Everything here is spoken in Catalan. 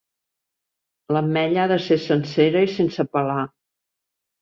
L'ametlla ha de ser sencera i sense pelar.